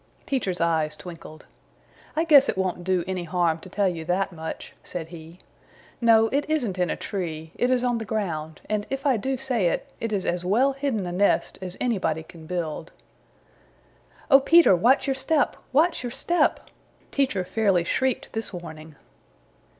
Teacher's eyes twinkled. "I guess it won't do any harm to tell you that much," said he. "No, it isn't in a tree. It is on the ground and, if I do say it, it is as well hidden a nest as anybody can build. Oh, Peter, watch your step! Watch your step!" Teacher fairly shrieked this warning.